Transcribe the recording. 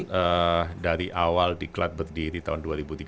kita lihat kan dari awal di klat berdiri tahun dua ribu tiga belas